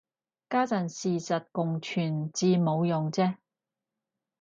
家陣事實共存至冇用啫